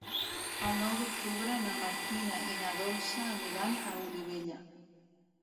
El nou d'octubre na Martina i na Dolça aniran a Olivella.